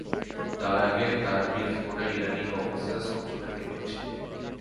তার আগে তাবরিজ গোটা ইরানি ককেসাস অঞ্চলের কেন্দ্র ছিল।